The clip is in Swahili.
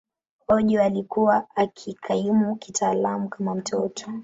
Ojo alikuwa akikaimu kitaaluma kama mtoto.